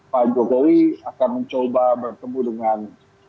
pak jokowi akan mencoba bertemu dengan